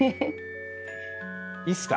いいっすか？